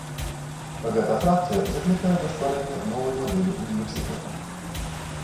Гэта фракцыя заклікае да стварэння новай мадэлі універсітэта.